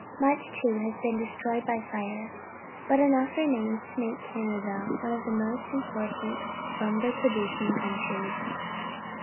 Much, too, has been destroyed by fire, but enough remains to make Canada one of the most important of lumber producing countries.